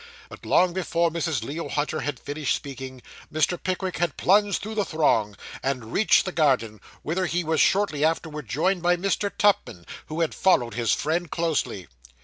But long before Mrs. Leo Hunter had finished speaking, Mr. Pickwick had plunged through the throng, and reached the garden, whither he was shortly afterwards joined by Mr. Tupman, who had followed his friend closely.